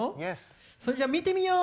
それじゃあ見てみよう！